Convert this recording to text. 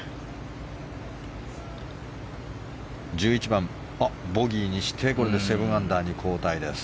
１１番、ボギーにしてこれで７アンダーに後退です。